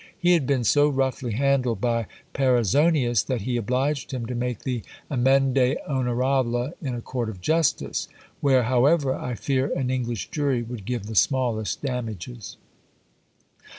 He had been so roughly handled by Perizonius, that he obliged him to make the amende honorable in a court of justice; where, however, I fear an English jury would give the smallest damages.